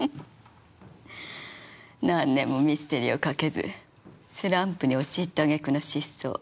何年もミステリーを書けずスランプに陥ったあげくの失踪。